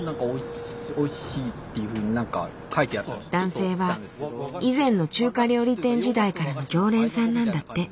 男性は以前の中華料理店時代からの常連さんなんだって。